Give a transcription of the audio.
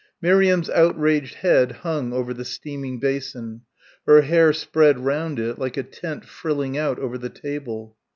Miriam's outraged head hung over the steaming basin her hair spread round it like a tent frilling out over the table.